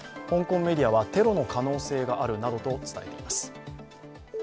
香港メディアはテロの可能性があるなどと伝えています。